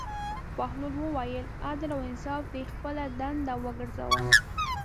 بهلول وویل: عدل او انصاف دې خپله دنده وګرځوه.